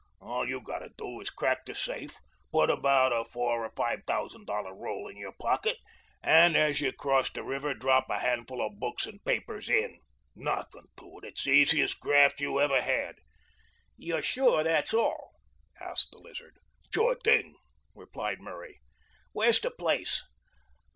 All you gotta do is crack de safe, put about a four or five t'ousand dollar roll in your pocket, and as you cross de river drop a handful of books and papers in. Nothin' to it it's the easiest graft you ever had." "You're sure dat's all?" asked the Lizard. "Sure thing!" replied Murray. "Where's de place?"